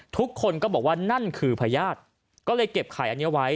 ทุกคนก็บอกว่านั่นคือพญาติก็เลยเก็บไข่อันนี้ไว้